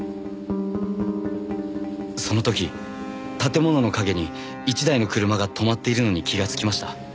その時建物の陰に１台の車が止まっているのに気がつきました。